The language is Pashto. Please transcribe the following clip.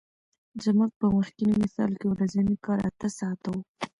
زموږ په مخکیني مثال کې ورځنی کار اته ساعته وو